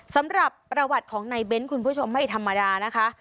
สำหรับประวัติของนายเบ้นคุณผู้ชมไม่ธรรมดานะคะ